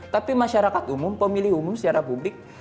tapi masyarakat umum pemilih umum secara publik